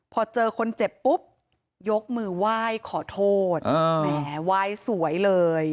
พอเจอคนเจ็บปุ๊บยกมือไหว้ขอโทษแหมไหว้สวยเลย